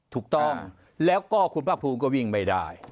ถูกต้องแล้วก็คุณภาคภูมิก็วิ่งไม่ได้